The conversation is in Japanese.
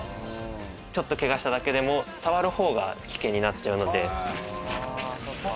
ちょっとけがしただけでもさわる方が危険になっちゃうので。